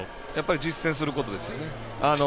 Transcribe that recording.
やっぱり実践することですよね。